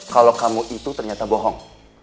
kalau kamu itu ternyata bohong